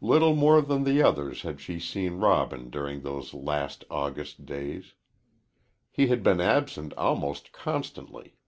Little more than the others had she seen Robin during those last August days. He had been absent almost constantly.